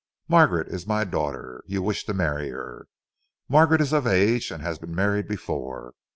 Margaret is my daughter. You wish to marry her. Margaret is of age and has been married before.